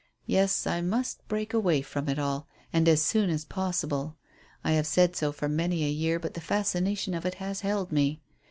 "Yes, I must break away from it all and as soon as possible. I have said so for many a year, but the fascination of it has held me.